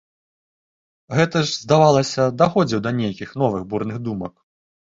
Гэты ж, здавалася, даходзіў да нейкіх новых бурных думак.